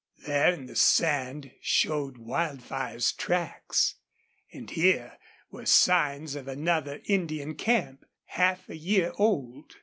There in the sand showed Wildfire's tracks. And here were signs of another Indian camp, half a year old.